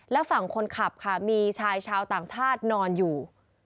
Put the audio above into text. และฝั่งคนขับค่ะมีชายชาวต่างชาตินอนอยู่